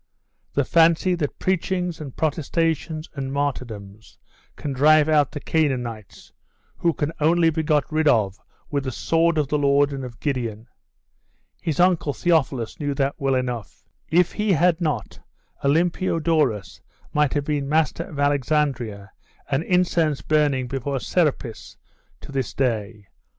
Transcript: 'The fancy that preachings, and protestations, and martyrdoms can drive out the Canaanites, who can only be got rid of with the sword of the Lord and of Gideon. His uncle Theophilus knew that well enough. If he had not, Olympiodorus might have been master of Alexandria, and incense burning before Serapis to this day.